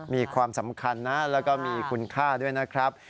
มีความสำคัญนะแล้วก็มีคุณค่าด้วยนะครับ